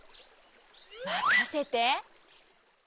まかせて！